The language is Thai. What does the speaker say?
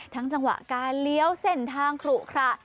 ทั้งจังหวะการเลี้ยวเส้นทางกลุ่มค่ะ